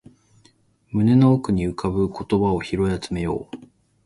胸の奥に浮かぶ言葉を拾い集めよう